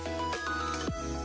dan ini adalah